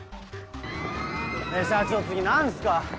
社長次何すか？